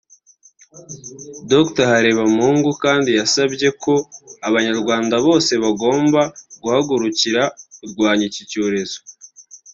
Dr Harebamungu kandi yasabye ko Abanyarwanda bose bagomba guhagurukira kurwanya iki cyorezo